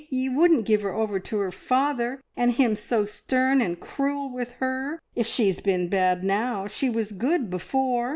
Ye wouldn't give her over to her father, and him so stern and cruel with her! If she's been bad now, she was good before.